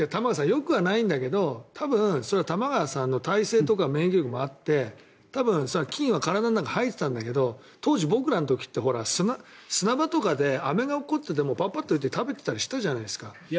よくはないんだけど多分、それは玉川さんの耐性とか免疫力もあって多分、菌は体の中に入ってたんだけど当時、僕らの時って砂場とかでアメが落っこちててもパパッと拭いて食べてたりしたじゃないですか。